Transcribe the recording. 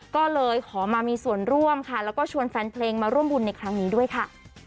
ก็เลยขอมามีส่วนร่วมค่ะแล้วก็ชวนแฟนเพลงมาร่วมบุญในครั้งนี้ด้วยค่ะ